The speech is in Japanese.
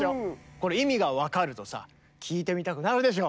これ意味が分かるとさ聴いてみたくなるでしょ。